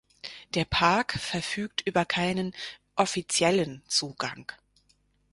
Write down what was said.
Der Park verfügt über keinen „offiziellen“ Zugang.